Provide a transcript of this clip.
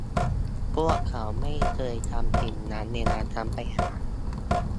พวกเขาไม่เคยทำสิ่งนั้นเวลาฉันไปหา